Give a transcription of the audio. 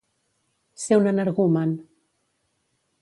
Ser un energumen.